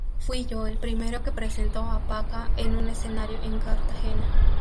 Fui yo el primero que presentó a Paca en un escenario en Cartagena.